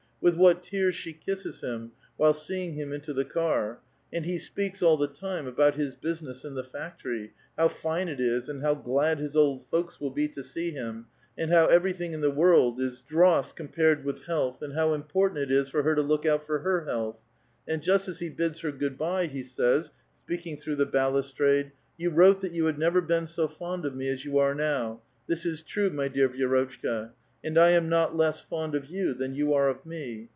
With what tears she kisses him, while seeing him into the car ! And he speaks all the time about his busi ness in the factory ; how fine it is, and how glad his old folks will be to see him, and how everything in the world is dross comf)ared with health, and how important it is for her to look out for her health ; and just as he bids her good by, he says, speaking through the balustrade : "You wrote that you had never been so fond of me as you are now ; this is true, my dear Vi6rotchka. And I am not less fond of you than you are of me.